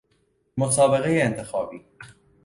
مسابقه انتخابی